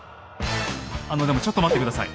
あのでもちょっと待って下さい。